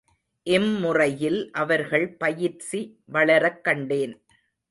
இம்முறையில், அவர்கள் பயிற்சி வளரக் கண்டேன்.